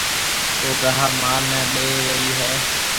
او گاها مال نَي ڏيَ رئي هيَ۔